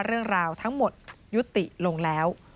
เรื่องราวทั้งหมดยุติลงแล้ว